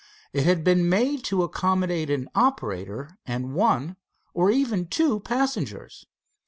It had been made to accommodate an operator and one, or even two, passengers.